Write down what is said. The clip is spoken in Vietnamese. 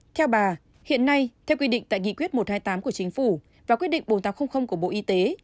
theo bà hiện nay theo quy định tại nghị quyết một trăm hai mươi tám của chính phủ và quyết định bốn nghìn tám trăm linh của bộ y tế